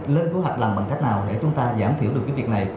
làm bằng cách nào để chúng ta giảm thiểu được cái việc này